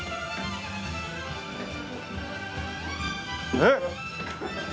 えっ！？